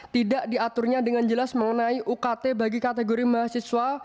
tidak diaturnya dengan jelas mengenai ukt bagi kategori mahasiswa